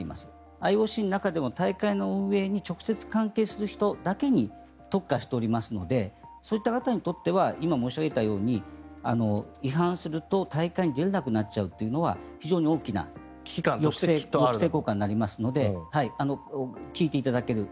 ＩＯＣの中でも大会の運営に直接関係する人だけに特化しておりますのでそういった方にとっては今申し上げたとおり違反すると大会に出れなくなるというのは非常に大きな抑制効果になりますので聞いていただける。